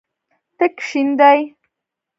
تک شین دی.